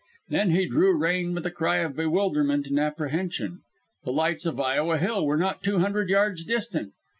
Then he drew rein with a cry of bewilderment and apprehension. The lights of Iowa Hill were not two hundred yards distant.